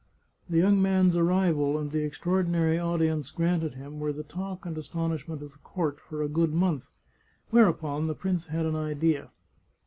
The young man's arrival, and the extraordinary audience granted him, were the talk and astonishment of the court for a good month. Whereupon the prince had an idea.